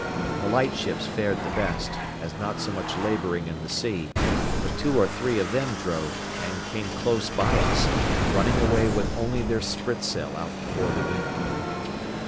The light ships fared the best, as not so much labouring in the sea; but two or three of them drove, and came close by us, running away with only their spritsail out before the wind.